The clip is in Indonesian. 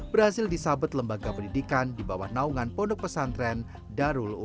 berhasil disahabat lembaga pendidikan di bawah naungan pondok pesantren darul ulum jombang